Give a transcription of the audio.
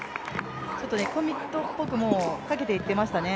コミットっぽくかけていってましたね。